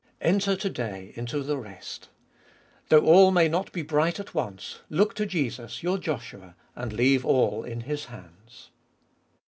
Enter to day into the rest. Though all may not be bright at once, look to Jesus, your Joshua, and leave all in His hands.